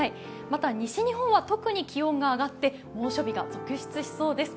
また、西日本は特に気温が上がって猛暑日が続出しそうです。